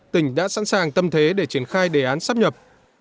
tỉnh đã sẵn sàng tâm thế để triển khai đề án sắp nhập